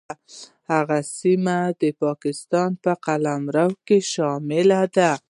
هغه سیمه د پاکستان په قلمرو کې شامله ده.